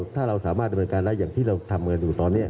ถ้าเราสามารถดำเนินการได้อย่างที่เราทำกันอยู่ตอนนี้